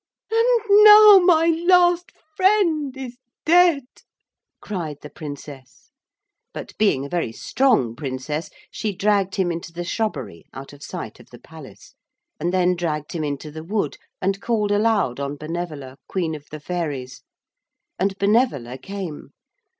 'And now my last friend is dead,' cried the Princess. But being a very strong princess, she dragged him into the shrubbery out of sight of the palace, and then dragged him into the wood and called aloud on Benevola, Queen of the Fairies, and Benevola came.